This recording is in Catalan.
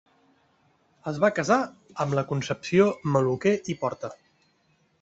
Es va casar amb la Concepció Maluquer i Porta.